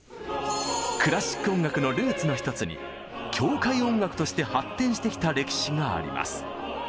クラシック音楽のルーツの一つに教会音楽として発展してきた歴史があります。